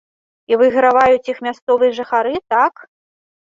І выйграваюць іх мясцовыя жыхары, так?